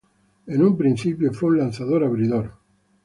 En un principio, fue un lanzador abridor.